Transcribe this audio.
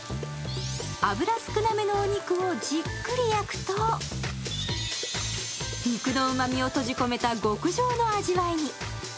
脂少なめのお肉をじっくり焼くと肉のうまみを閉じ込めた極上の味わいに。